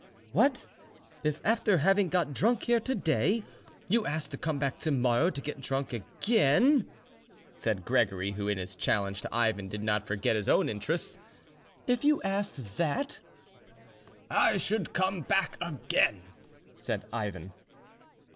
"What! if after having got drunk here to day, you asked to come back to morrow to get drunk again?" said Gregory, who in his challenge to Ivan did not forget his own interests,—"if you asked that?" "I should come back again," said Ivan.